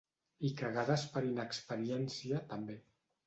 I cagades per inexperiència, també.